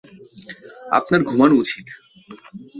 আপনার ঘুমানো উচিৎ।